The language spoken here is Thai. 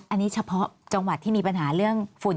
อันนี้เฉพาะจังหวัดที่มีปัญหาเรื่องฝุ่น